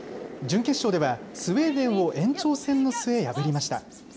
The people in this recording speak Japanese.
準決勝では、スウェーデンを延長戦の末、破りました。